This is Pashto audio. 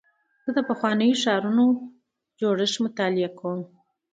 زه د پخوانیو ښارونو جوړښت مطالعه کوم.